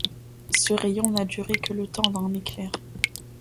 Ce rayon n'a duré que le temps d'un éclair.